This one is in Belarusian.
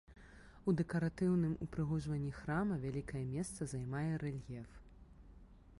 У дэкаратыўным упрыгожванні храма вялікае месца займае рэльеф.